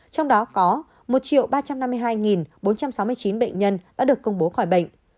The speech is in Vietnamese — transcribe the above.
trong đó có một ba trăm năm mươi hai bốn trăm sáu mươi chín bệnh nhân đã được công bố khỏi bệnh